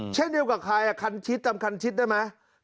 เช่นเดียวกับใครคันชิดจำคันชิดได้ไหม